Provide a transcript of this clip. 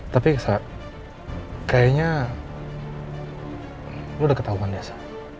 tapi sa kayaknya lo udah ketauan ya sa